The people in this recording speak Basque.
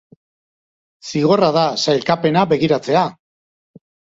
Zigorra da sailkapena begiratzea.